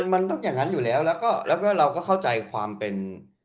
มันต้องอย่างนั้นอยู่แล้วแล้วก็เราก็เข้าใจความเป็น